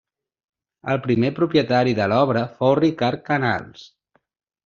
El primer propietari de l'obra fou Ricard Canals.